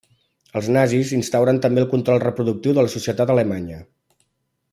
Els nazis instauren també el control reproductiu de la societat alemanya.